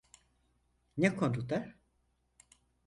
Ne konuda?